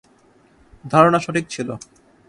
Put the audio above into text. ধারণা সঠিক ছিল!